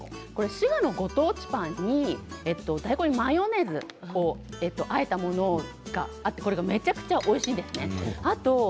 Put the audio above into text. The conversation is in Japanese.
滋賀のご当地パンに大根をマヨネーズであえたものがあってこれがめちゃくちゃおいしいんですね。